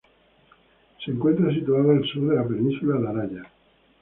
Se encuentra situado al sur de la Península de Araya.